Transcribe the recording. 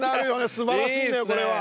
すばらしいんだよこれは。